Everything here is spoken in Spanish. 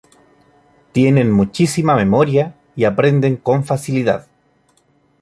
Tienen muchísima memoria y aprenden con facilidad.